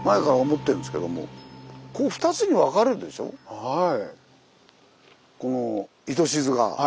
はい。